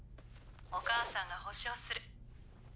お母さんが保証する。